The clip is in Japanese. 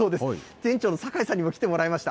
店長の坂井さんにも来てもらいました。